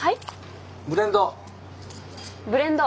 ブレンド。